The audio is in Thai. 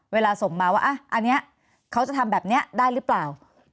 เวลาส่งมาว่าอันนี้เขาจะทำแบบนี้ได้หรือเปล่า